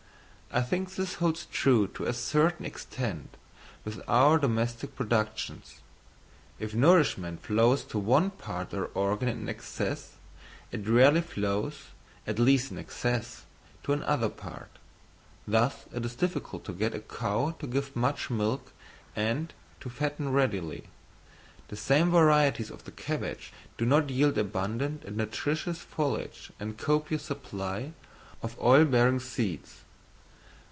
I think this holds true to a certain extent with our domestic productions: if nourishment flows to one part or organ in excess, it rarely flows, at least in excess, to another part; thus it is difficult to get a cow to give much milk and to fatten readily. The same varieties of the cabbage do not yield abundant and nutritious foliage and a copious supply of oil bearing seeds.